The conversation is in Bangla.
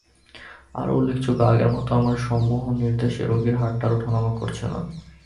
আরো উল্লেখযোগ্য, আগের মতো আমার সম্মোহন-নির্দেশে রোগীর হাতটা আর ওঠানামা করছে না।